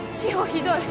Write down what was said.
ひどい！